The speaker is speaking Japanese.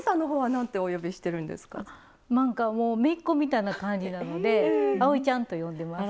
なんかもうめいっ子みたいな感じなのであおいちゃんと呼んでます。